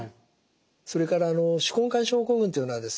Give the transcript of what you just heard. それから手根管症候群というのはですね